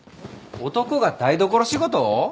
男が台所仕事を！？